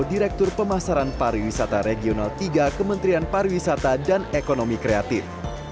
direktur pemasaran pariwisata regional tiga kementerian pariwisata dan ekonomi kreatif